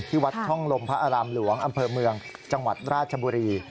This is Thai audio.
วัดช่องลมพระอารามหลวงอำเภอเมืองจังหวัดราชบุรี